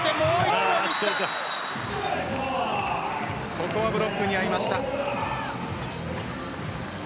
ここはブロックにあいました。